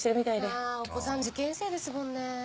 あお子さん受験生ですもんね。